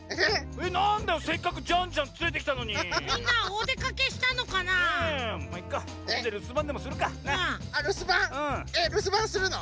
えるすばんするの？